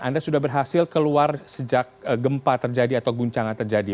anda sudah berhasil keluar sejak gempa terjadi atau guncangan terjadi